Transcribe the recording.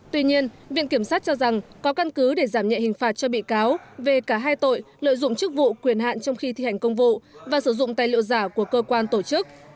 tuy nhiên viện kiểm sát cho rằng có căn cứ để giảm nhẹ hình phạt cho bị cáo về cả hai tội lợi dụng chức vụ quyền hạn trong khi thi hành công vụ và sử dụng tài liệu giả của cơ quan tổ chức